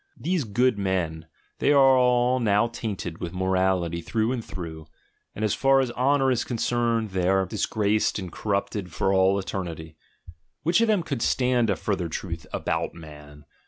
These "good men," they are all now tainted with morality through and through, and as far as honour is concerned they are disgraced and cor rupted for all eternity. Which of them could stand a further truth "about man"?